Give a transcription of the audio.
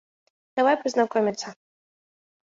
Давай познакомиться!